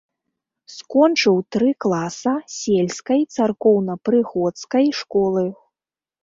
Скончыў тры класа сельскай царкоўна-прыходскай школы.